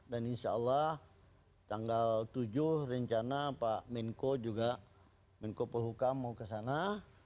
dan insya allah tanggal tujuh rencana pak menko juga menko perhukam mau ke sana